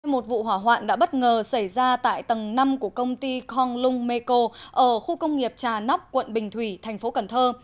một vụ hỏa hoạn đã bất ngờ xảy ra tại tầng năm của công ty congung meko ở khu công nghiệp trà nóc quận bình thủy thành phố cần thơ